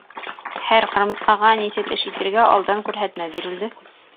Һәр ҡырмыҫҡаға нисек эш итергә алдан күрһәтмә бирелде.